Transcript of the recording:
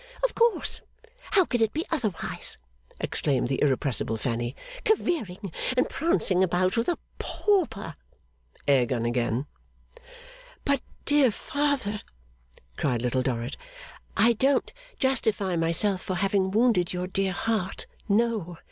'Of course! How could it be otherwise?' exclaimed the irrepressible Fanny. 'Careering and prancing about with a Pauper!' (air gun again). 'But, dear father,' cried Little Dorrit, 'I don't justify myself for having wounded your dear heart no!